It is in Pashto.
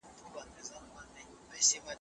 سعید ته د پلار خبره د سرو زرو په څېر وه.